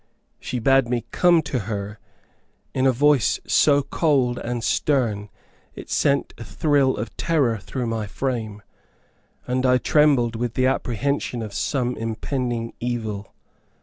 She bade me come to her, in a voice so cold and stern it sent a thrill of terror through my frame, and I trembled with the apprehension of some impending evil.